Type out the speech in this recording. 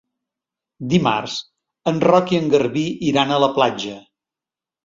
Dimarts en Roc i en Garbí iran a la platja.